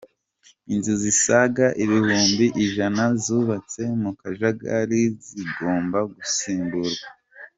Inzu zisaga ibihumbi ijana zubatse mu kajagari zigomba gusimburwa